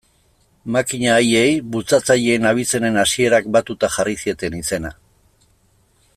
Makina haiei bultzatzaileen abizenen hasierak batuta jarri zieten izena.